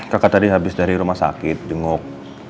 kakak tadi habis dari rumah sakit jenguk